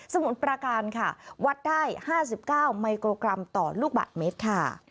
มุดประการค่ะวัดได้๕๙มิโครกรัมต่อลูกบาทเมตรค่ะ